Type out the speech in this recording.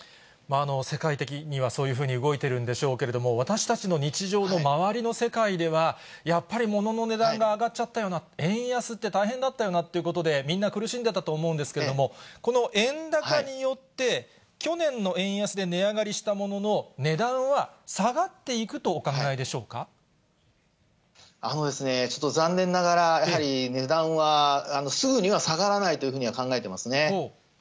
世界的にはそういうふうに動いているんでしょうけれども、私たちの日常の周りの世界では、やっぱりものの値段が上がっちゃったよな、円安って大変だったよなってことで、みんな苦しんでたと思うんですけれども、この円高によって、去年の円安で値上がりしたものの、値段は下がっていくとお考えでしちょっと残念ながら、やはり値段はすぐには下がらないというふうには考えてますね。